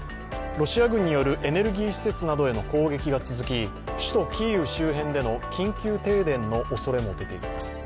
ロシア軍によるエネルギー施設などへの攻撃が続き、首都キーウ周辺での緊急停電のおそれも出ています。